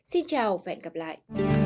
xin chào và hẹn gặp lại